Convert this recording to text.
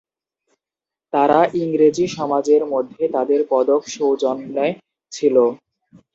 তারা ইংরেজি সমাজের মধ্যে তাদের পদক সৌজন্যে ছিল।